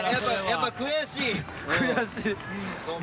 やっぱ悔しい？